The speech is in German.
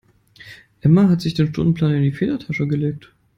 Emma hat sich den Stundenplan in die Federtasche gelegt.